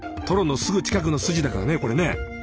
トロのすぐ近くのスジだからねこれね。